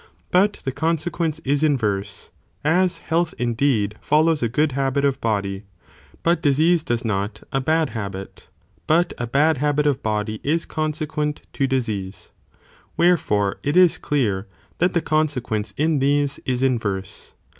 But the consequence is inverse, as health indeed follows a good habit of body, but disease does not, a bad habit, but a bad habit of body is consequent to disease, wherefore it is clear that the consequence in these, is inverse.